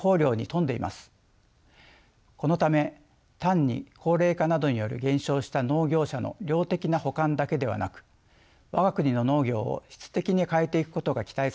このため単に高齢化などにより減少した農業者の量的な補完だけではなく我が国の農業を質的に変えていくことが期待される存在でもあります。